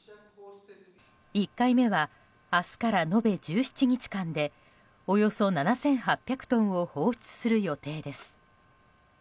１回目は明日から延べ１７日間でおよそ７８００トンを放出する予定です。